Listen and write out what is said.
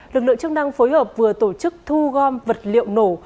lực lượng chức năng phối hợp vừa tổ chức thu gom vật liệu nổ